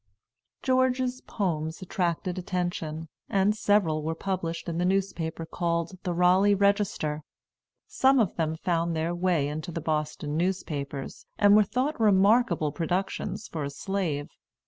George's poems attracted attention, and several were published in the newspaper called "The Raleigh Register." Some of them found their way into the Boston newspapers, and were thought remarkable productions for a slave.